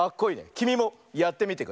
きみもやってみてくれ！